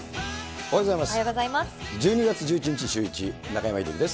おはようございます。